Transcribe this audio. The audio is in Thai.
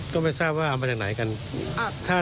ก็ไม่ทราบว่าเอามาจากไหนกัน